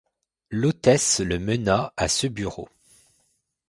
L'hôtesse le mena à ce bureau.